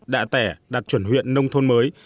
đã tẻ đạt chuẩn huyện nông thôn mới